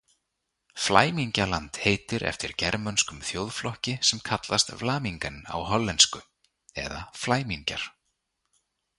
Flæmingjaland heitir eftir germönskum þjóðflokki sem kallaðist Vlamingen á hollensku, eða flæmingjar.